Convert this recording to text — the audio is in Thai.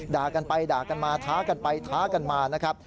ด่ากันไปมาท้ากันไปมานะครับ